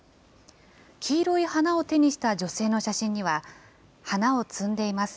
黄色い花を手にした女性の写真には、花を摘んでいます。